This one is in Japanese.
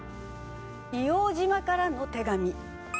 『硫黄島からの手紙』。